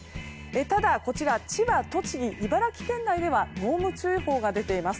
ただ、千葉、栃木、茨城県内では濃霧注意報が出ています。